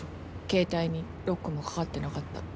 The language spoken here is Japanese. ケータイにロックもかかってなかった。